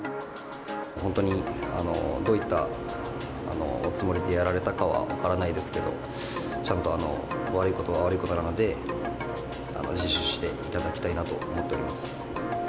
本当にどういったおつもりでやられたかは分からないですけど、ちゃんと悪いことは悪いことなので、自首していただきたいなと思っております。